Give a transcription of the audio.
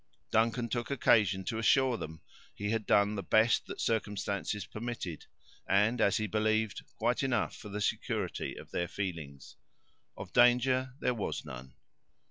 Duncan took occasion to assure them he had done the best that circumstances permitted, and, as he believed, quite enough for the security of their feelings; of danger there was none.